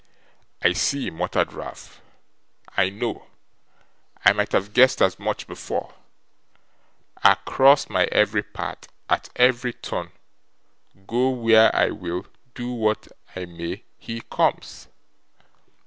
'I see,' muttered Ralph, 'I know! I might have guessed as much before. Across my every path, at every turn, go where I will, do what I may, he comes!